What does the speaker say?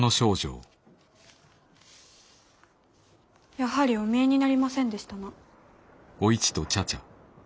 やはりお見えになりませんでしたな。